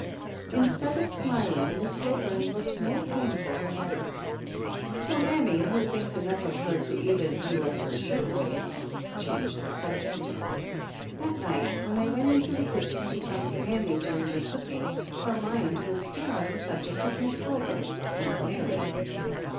Instead of smil ing Miss Wilburn looked more painful than ever ; so mammy, who thinks enough of her to even do up her shirtwaists, changed the subject. That night when I went into the kitchen to talk to mammy during the cooking her mind was still on the subject of Miss Wilburn and marry ing.